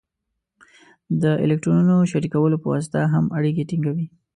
د الکترونونو شریکولو په واسطه هم اړیکې ټینګوي.